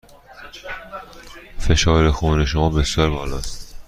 فشار خون شما بسیار بالا است.